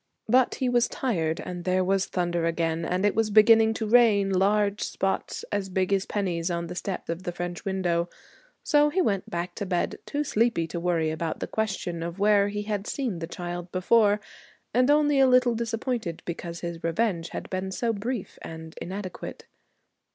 But he was tired and there was thunder again and it was beginning to rain, large spots as big as pennies on the step of the French window. So he went back to bed, too sleepy to worry about the question of where he had seen the child before, and only a little disappointed because his revenge had been so brief and inadequate.